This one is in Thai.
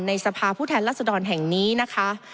สภาพผู้แทนรัศดรแห่งนี้นะคะ